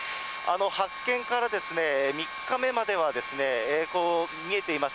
発見から３日目までは見えています